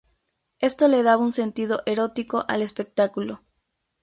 Esto le daba un sentido erótico al espectáculo.